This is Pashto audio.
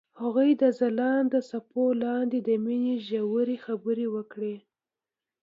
هغوی د ځلانده څپو لاندې د مینې ژورې خبرې وکړې.